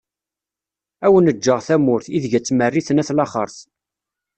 Ad awen-ğğeγ tamurt, ideg ad tmerriten at laxert.